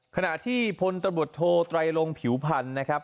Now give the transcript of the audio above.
ขณะที่พลตำรวจโทไตรลงผิวพันธ์นะครับ